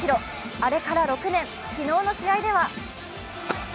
あれから６年、昨日の試合では？